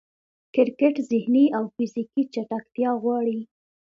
کرکټ ذهني او فزیکي چټکتیا غواړي.